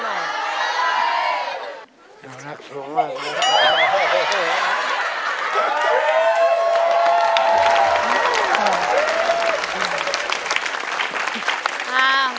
รักทุกคนมาก